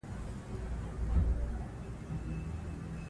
په ډیموکراټ نظام کښي د قانون سرچینه بشري عقل يي.